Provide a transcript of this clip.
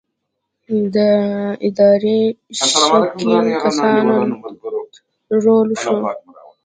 د ادارې تشکیل کسانو ته لوړ شو.